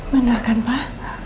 bener kan pak